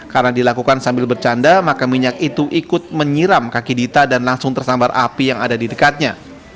karena dilakukan sambil bercanda maka minyak itu ikut menyiram kaki dita dan langsung tersambar api yang ada di dekatnya